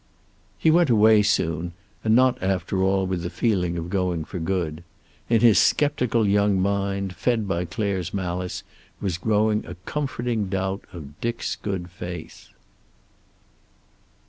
He went away soon, and not after all with the feeling of going for good. In his sceptical young mind, fed by Clare's malice, was growing a comforting doubt of Dick's good faith.